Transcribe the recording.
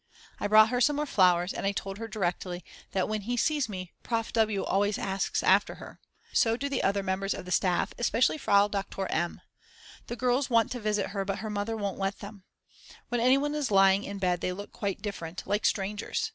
I brought her some more flowers and I told her directly that when he sees me Prof. W. always asks after her. So do the other members of the staff especially Frau Doktor M. The girls want to visit her but her mother won't let them. When anyone is lying in bed they look quite different, like strangers.